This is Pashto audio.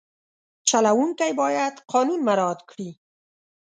چلوونکی باید قانون مراعت کړي.